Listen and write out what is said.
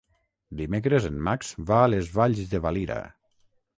Dimecres en Max va a les Valls de Valira.